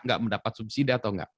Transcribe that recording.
nggak mendapat subsidi atau enggak